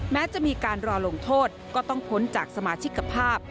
แม้จะมีการรอลงโทษก็ต้องพ้นจากสมาชิกภาพ